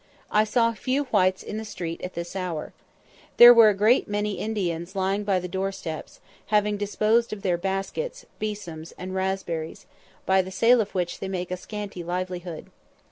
I saw few whites in the streets at this hour. There were a great many Indians lying by the door steps, having disposed of their baskets, besoms, and raspberries, by the sale of which they make a scanty livelihood.